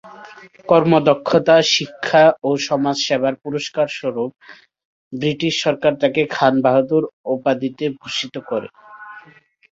কর্মদক্ষতা, শিক্ষা ও সমাজ সেবার পুরস্কারস্বরূপ ব্রিটিশ সরকার তাঁকে ‘খানবাহাদুর’ উপাধিতে ভূষিত করে।